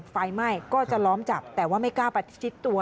ไฟไหม้ก็จะล้อมจับแต่ว่าไม่กล้าประชิดตัว